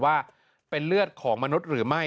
ว่าเป็นเลือดของมนุษย์หรือไม่